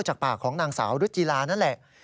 จากปากของนางสาวรุจิลานั่นแหละ